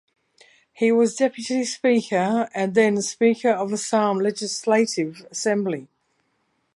He was Deputy Speaker and then Speaker of Assam Legislative Assembly.